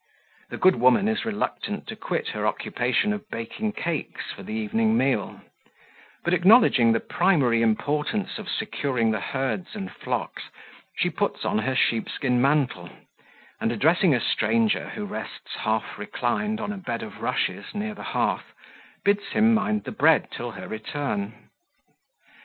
The good woman is reluctant to quit her occupation of baking cakes for the evening meal; but acknowledging the primary importance of securing the herds and flocks, she puts on her sheep skin mantle; and, addressing a stranger who rests half reclined on a bed of rushes near the hearth, bids him mind the bread till her return.